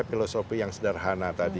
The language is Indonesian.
filosofi yang sederhana tadi